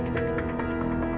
kekuat kan digunakan